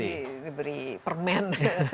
misalnya diberi permen